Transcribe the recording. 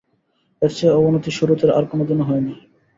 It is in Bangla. এর চেয়ে অবনতি সুরীতির আর কোনোদিন হয় নি।